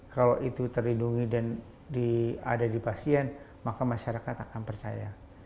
kalau itu terlindungi dan ada di pasien maka masyarakat akan percaya